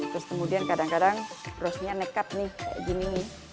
terus kemudian kadang kadang rose nya nekat nih kayak gini nih